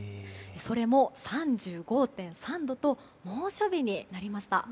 それも、３５．３度と猛暑日になりました。